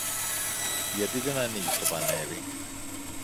Γιατί δεν ανοίγεις το πανέρι;